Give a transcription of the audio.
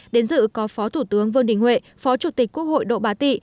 đến dự có phó thủ tướng vương đình huệ phó chủ tịch quốc hội độ bá tị